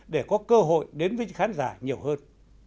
để có cơ hội đến với khán giả nhiều hơn